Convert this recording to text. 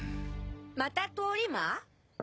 また通り魔？